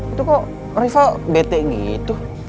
itu kok rival bete gitu